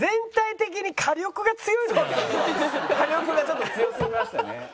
火力がちょっと強すぎましたね。